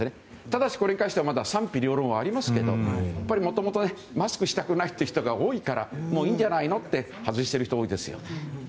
ただし、これに関してはまだ賛否両論ありますけどもともとマスクしたくない人が多いからもういいんじゃないのと外している人が多いです。